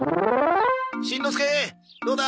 しんのすけどうだ？